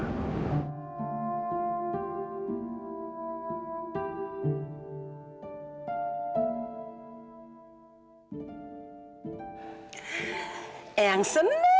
tidak ada yang bisa kaget sama kamu